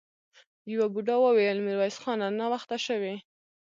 يوه بوډا وويل: ميرويس خانه! ناوخته شوې!